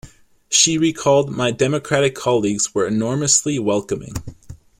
She recalled My Democratic colleagues were enormously welcoming.